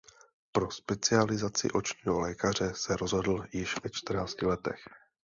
Pro specializaci očního lékaře se rozhodl již ve čtrnácti letech.